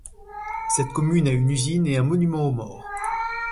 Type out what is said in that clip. Cette commune a une usine et un monument aux morts.